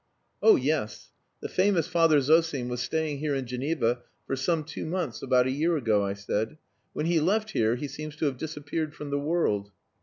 "Oh yes. The famous Father Zosim was staying here in Geneva for some two months about a year ago," I said. "When he left here he seems to have disappeared from the world."